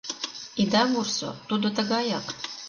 — Ида вурсо — тудо тыгаяк.